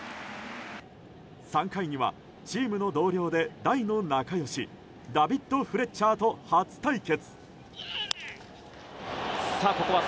３回には、チームの同僚で大の仲良しダビッド・フレッチャーと初対決。